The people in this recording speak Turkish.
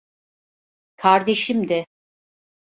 Kardeşimdi.